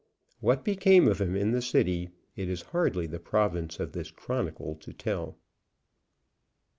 What became of him in the City it is hardly the province of this chronicle to tell.